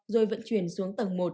rồi vận chuyển xuống tầng một